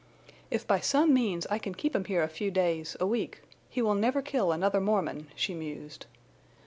"If by some means I can keep him here a few days, a week—he will never kill another Mormon," she mused.